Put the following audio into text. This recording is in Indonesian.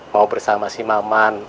mau bersama si maman